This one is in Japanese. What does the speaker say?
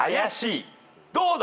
どうだ！？